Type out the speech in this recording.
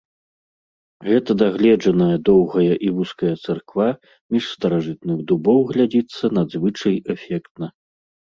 Гэта дагледжаная доўгая і вузкая царква між старажытных дубоў глядзіцца надзвычай эфектна.